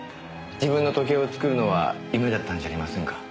自分の時計を作るのは夢だったんじゃありませんか？